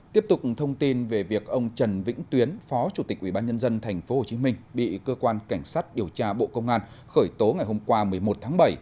tiếp tục thông tin về việc ông trần vĩnh tuyến phó chủ tịch ubnd tp hcm bị cơ quan cảnh sát điều tra bộ công an khởi tố ngày hôm qua một mươi một tháng bảy